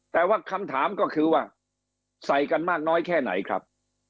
แต่ว่าคำถามก็คือว่าใส่กันมากน้อยแค่ไหนครับ